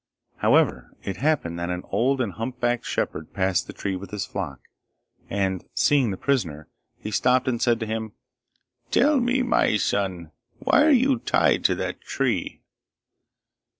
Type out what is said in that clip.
However, it happened that an old and humpbacked shepherd passed the tree with his flock, and seeing the prisoner, he stopped and said to him, 'Tell me, my son why are you tied to that tree?